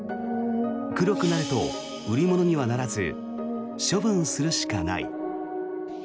黒くなると売り物にはならず処分するしかない。